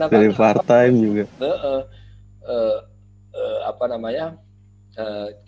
jadi part time juga